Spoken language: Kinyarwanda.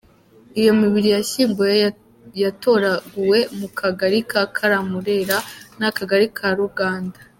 Iyo mibiri yahsyinguwe yatoraguwe mu Kagari ka Kamurera n’Akagari ka Ruganda.